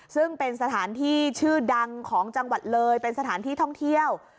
ซึ่งเป็นสถานที่ชื่อดังของจังหวัดเลยเป็นสถานที่ท่องเที่ยว